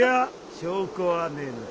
証拠はねえんだ。